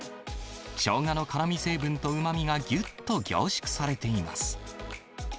ショウガの辛み成分とうまみがぎゅっと凝縮されています。